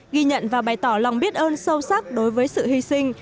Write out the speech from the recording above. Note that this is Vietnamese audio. ghi nhận và bày tỏ lòng biết ơn sâu sắc đối với sự hy sinh